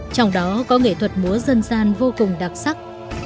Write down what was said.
trong đó có nghệ thuật múa dân gian vô cùng đặc sắc